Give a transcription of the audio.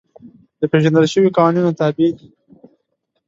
د پېژندل شویو قوانینو تابع دي.